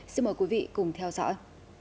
xin mời quý vị cùng theo dõi